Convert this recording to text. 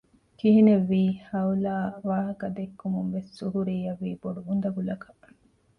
ކިހިނެއްވީ; ހައުލާ ވާހަކަ ދެއްކުމުންވެސް ޒުހުރީއަށް ވީ ބޮޑު އުނދަގުލަކަށް